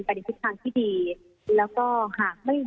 พี่บอกว่าหลักล้านมวัน๔๘๙